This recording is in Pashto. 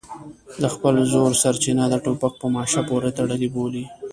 د خپل زور سرچینه د ټوپک په ماشه پورې تړلې بولي.